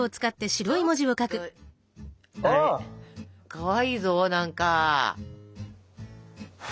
かわいいぞ何か。